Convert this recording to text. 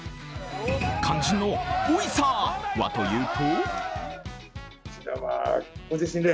肝心の「おいさー」はというと？